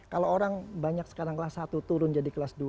kalau orang sekarang kelas satu turun kelas dua